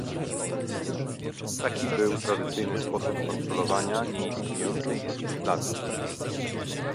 Taki był tradycyjny sposób kontrolowania nieistniejącej inflacji